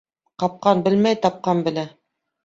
Ҡапҡан белмәй, тапҡан белә.